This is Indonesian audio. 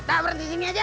tak berhenti gini aja